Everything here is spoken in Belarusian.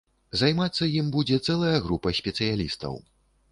Займацца ім будзе цэлая група спецыялістаў.